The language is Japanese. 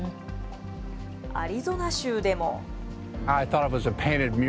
アリゾナ州でも。